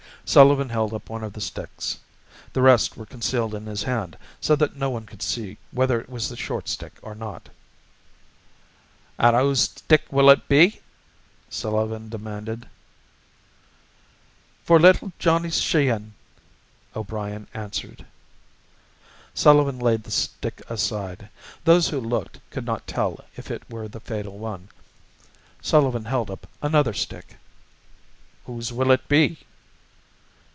Sullivan held up one of the sticks. The rest were concealed in his hand so that no one could see whether it was the short stick or not. "An' whose stick will it be?" Sullivan demanded. "For little Johnny Sheehan," O'Brien answered. Sullivan laid the stick aside. Those who looked could not tell if it were the fatal one. Sullivan held up another stick. "Whose will it be?"